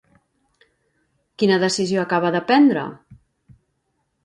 Quina decisió acaba de prendre?